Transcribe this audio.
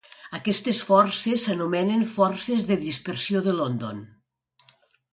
Aquestes forces s'anomenen forces de dispersió de London.